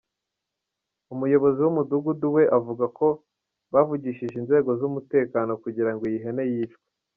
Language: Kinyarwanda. Umuyobozi w’umudugudu we avuga ko bavugishe inzego z’umutekano kugirango iyi hene yicwe.